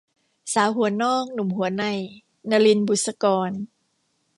สาวหัวนอกหนุ่มหัวใน - นลิน บุษกร